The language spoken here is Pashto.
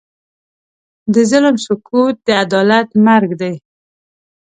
د ظلم سکوت، د عدالت مرګ دی.